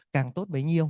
càng tốt bấy nhiêu